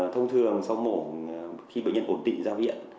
thông thường sau mổ khi bệnh nhân ổn tị ra viện